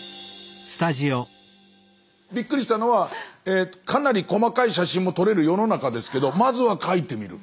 びっくりしたのはかなり細かい写真も撮れる世の中ですけどまずは描いてみる。